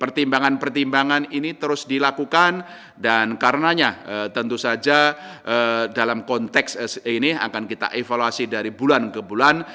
pertimbangan pertimbangan ini terus dilakukan dan karenanya tentu saja dalam konteks ini akan kita evaluasi dari bulan ke bulan